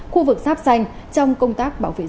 khu vực sắp xanh trong công tác bảo vệ rừng